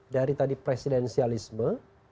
dari tadi presidensialisme